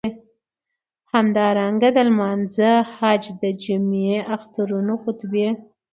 همدارنګه د لمانځه، حج، د جمعی، اخترونو خطبی.